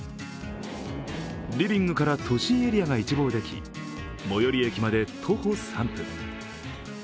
リビングから都心エリアが一望でき最寄り駅まで徒歩３分。